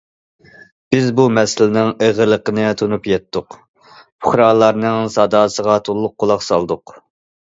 بىز بۇ مەسىلىنىڭ ئېغىرلىقىنى تونۇپ يەتتۇق، پۇقرالارنىڭ ساداسىغا تولۇق قۇلاق سالدۇق.